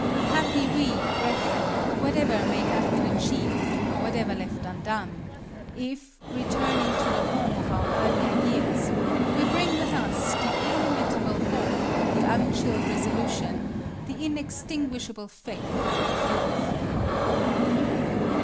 Happy we, brethren, whatever may have been achieved, whatever left undone, if, returning to the home of our earlier years, we bring with us the illimitable hope, the unchilled resolution, the inextinguishable faith of youth.